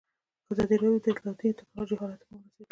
ازادي راډیو د اطلاعاتی تکنالوژي حالت ته رسېدلي پام کړی.